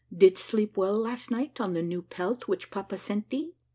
" Didst sleep well last night on the new pelt which papa sent thee?"